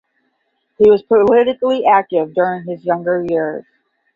He was politically active during his younger years.